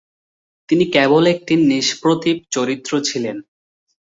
তিনি কেবল একটি নিষ্প্রতিভ চরিত্র ছিলেন।